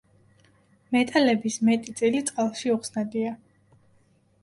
მეტალების მეტი წილი წყალში უხსნადია.